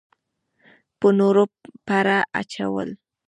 په نورو پړه اچول.